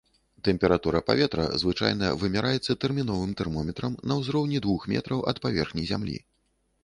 Тэмпература паветра звычайна вымяраецца тэрміновым тэрмометрам на ўзроўні двух метраў ад паверхні зямлі.